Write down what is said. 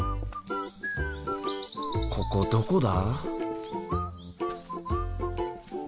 ここどこだ？